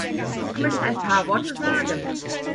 Ich möchte ein paar Worte sagen.